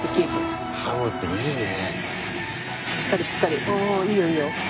ハムっていいね。